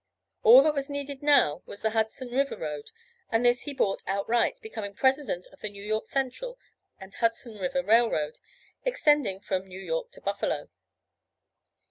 All that was needed now was the Hudson River road and this he bought outright, becoming President of the New York Central and Hudson River Rail Road, extending from New York to Buffalo.